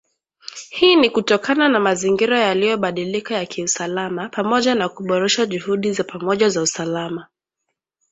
Hii ni kutokana na mazingira yaliyo badilika ya kiusalama, pamoja na kuboresha juhudi za pamoja za usalama